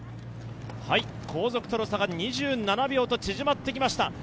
後続との差が２７秒と縮まってきました。